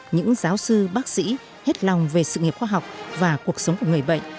những giáo sư bác sĩ hết lòng về sự nghiệp khoa học và cuộc sống của người bệnh